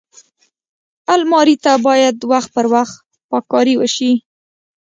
الماري ته باید وخت پر وخت پاک کاری وشي